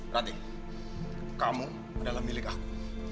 radik kamu adalah milik aku